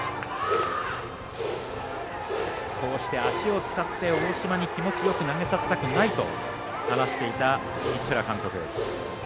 こうして足を使って大嶋に気持ちよく投げさせたくないと話していた市原監督。